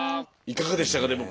いかがでしたか？